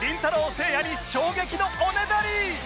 せいやに衝撃のおねだり！